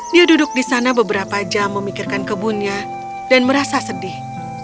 dia duduk di sana beberapa jam memikirkan kebunnya dan merasa sedih